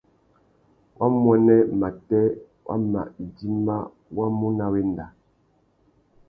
Wamuênê matê wa mà idjima wá mú nà wenda.